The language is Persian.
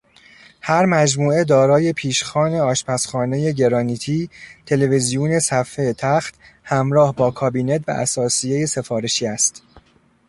هر مجموعه دارای پیشخوان آشپزخانه گرانیتی، تلویزیون صفحه تخت، همراه با کابینت و اثاثیه سفارشی است.